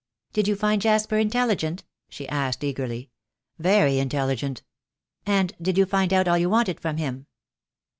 "Did you find Jasper intelligent?" she asked, eagerly. "Very intelligent." "And did you find out all you wanted from him?"